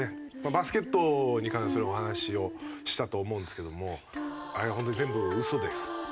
バスケットに関するお話をしたと思うんですけどもあれは本当に全部嘘です。